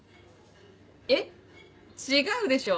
え⁉違うでしょ。